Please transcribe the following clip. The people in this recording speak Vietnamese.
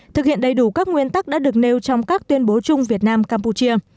thực hiện đầy đủ các nguyên tắc đã được nêu trong các tuyên bố chung việt nam campuchia